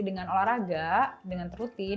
dengan olahraga dengan rutin